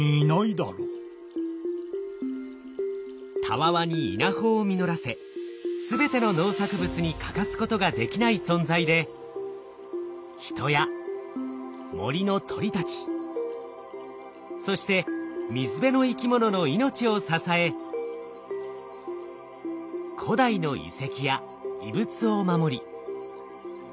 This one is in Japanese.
たわわに稲穂を実らせ全ての農作物に欠かすことができない存在で人や森の鳥たちそして水辺の生き物の命を支え古代の遺跡や遺物を守り